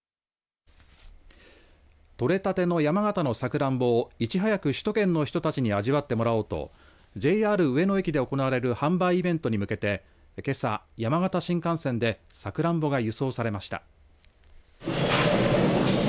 とれたての山形のさくらんぼをいち早く首都圏の人たちに味わってもらおうとＪＲ上野駅で行われる販売イベントに向けてけさ、山形新幹線でさくらんぼが輸送されました。